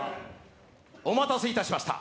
お待たせいたしました。